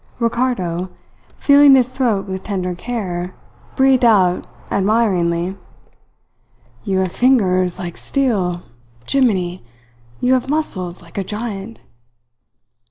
Ricardo, feeling his throat with tender care, breathed out admiringly: "You have fingers like steel. Jimminy! You have muscles like a giant!"